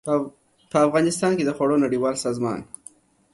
په افغانستان کې د خوړو نړیوال سازمان